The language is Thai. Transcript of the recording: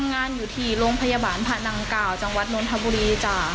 งานอยู่ที่โรงพยาบาลผะนังกล่าวจังหวัดนทบุรีจ้ะ